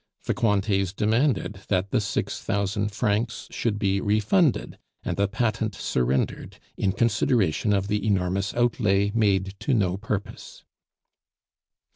The Cointets demanded that the six thousand francs should be refunded, and the patent surrendered in consideration of the enormous outlay made to no purpose.